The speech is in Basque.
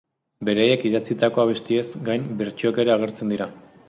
Beraiek idatzitako abestiez gain bertsioak ere agertzen dira.